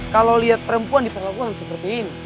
kalau lihat perempuan di pelabuhan seperti ini